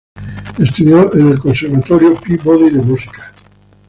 Estudió en el Conservatorio Peabody de música.